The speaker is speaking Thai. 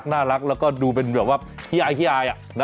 น่ารักแล้วก็ดูเป็นแบบว่าฮี่ไอ